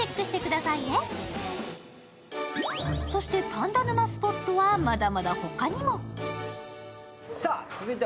パンダ沼スポットはまだまだ他にも。